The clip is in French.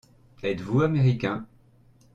Êtes-vous Américain ?